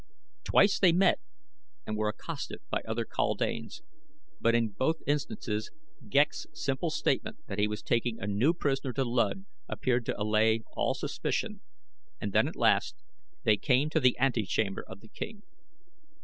Twice they met and were accosted by other kaldanes; but in both instances Ghek's simple statement that he was taking a new prisoner to Luud appeared to allay all suspicion, and then at last they came to the ante chamber of the king.